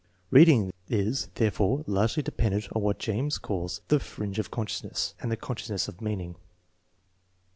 Read ing is, therefore, largely dependent on what James calls the " fringe of consciousness " and the " consciousness of meaning."